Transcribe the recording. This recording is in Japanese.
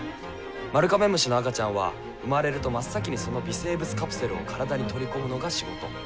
マルカメムシの赤ちゃんは産まれると真っ先にその微生物カプセルを体に取り込むのが仕事。